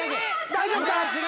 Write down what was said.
大丈夫か？